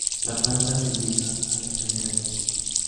La planta se liga a la escalera de acceso.